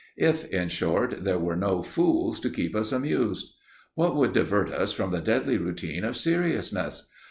if, in short, there were no fools to keep us amused. What would divert us from the deadly routine of seriousness?